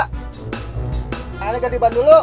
tanya ganti ban dulu ya